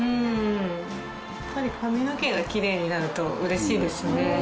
やっぱり髪の毛がキレイになるとうれしいですね。